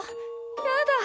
やだ。